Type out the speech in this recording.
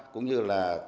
cũng như là